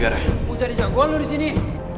kayaknya ada orang